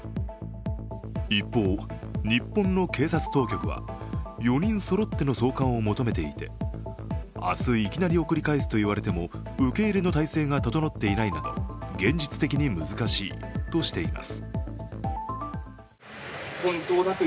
一方、日本の警察当局は４人そろっての送還を求めていて明日いきなり送り返すと言われても受け入れの体制が整っていないなど現実的に難しいとしています。